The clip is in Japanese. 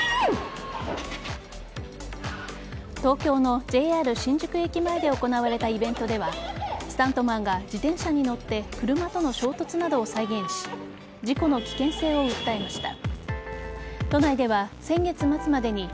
東京のＪＲ新宿駅前で行われたイベントではスタントマンが自転車に乗って車との衝突などを再現し事故の危険性を訴えました。